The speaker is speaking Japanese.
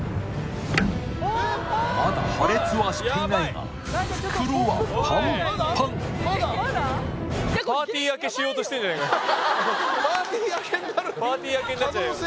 まだ破裂はしていないがパーティー開けになるパーティー開けになっちゃうよ